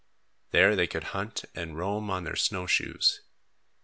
There they could hunt and roam on their snow shoes.